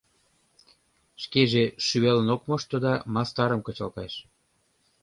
Шкеже шӱвалын ок мошто да мастарым кычал кайыш.